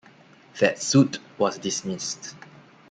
That suit was dismissed.